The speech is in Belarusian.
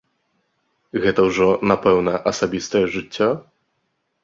Гэта ўжо, напэўна, асабістае жыццё?